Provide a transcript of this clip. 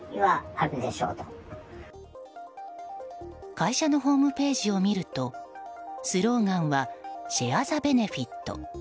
会社のホームページを見るとスローガンはシェア・ザ・ベネフィット。